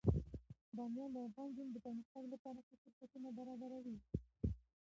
بامیان د افغان نجونو د پرمختګ لپاره ښه فرصتونه برابروي.